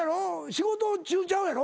仕事中ちゃうやろ？